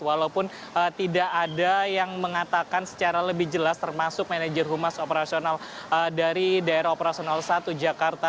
walaupun tidak ada yang mengatakan secara lebih jelas termasuk manajer humas operasional dari daerah operasional satu jakarta